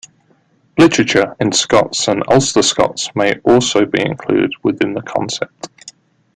Literature in Scots and Ulster Scots may also be included within the concept.